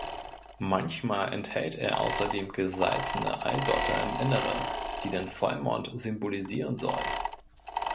Manchmal enthält er außerdem gesalzene Eidotter im Inneren, die den Vollmond symbolisieren sollen.